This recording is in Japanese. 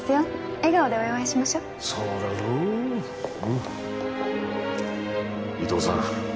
笑顔でお祝いしましょそうだぞおう伊藤さん